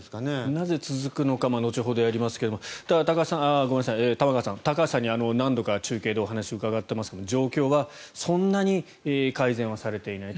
なぜ続くのか後ほどやりますが玉川さん、高橋さんに何度か中継でお話を伺っていますが状況はそんなに改善はされていない。